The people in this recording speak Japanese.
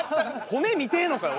骨見てえのかよ